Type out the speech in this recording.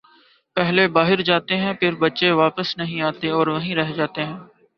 پہلے باہر جا تے ہیں پھر بچے واپس نہیں آتے اور وہیں رہ جاتے ہیں